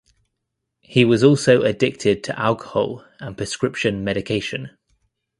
He was also addicted to alcohol and prescription medication.